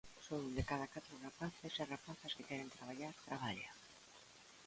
Só un de cada catro rapaces e rapazas que queren traballar traballa.